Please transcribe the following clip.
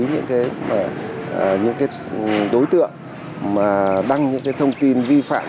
những cái đối tượng mà đăng những thông tin vi phạm